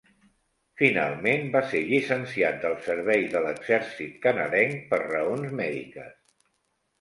Finalment, va ser llicenciat del servei de l'exèrcit canadenc per raons mèdiques.